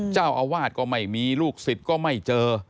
เจ้าอาวาสก็ไม่มีลูกศิษย์ก็ไม่เจอ